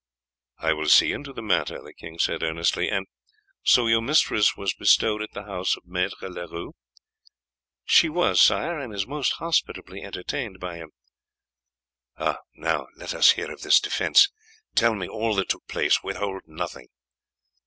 "I will see into the matter," the king said earnestly. "And so your mistress was bestowed at the house of Maître Leroux?" "She was, sire, and is most hospitably entertained by him." "Now let us hear of this defence. Tell me all that took place; withhold nothing."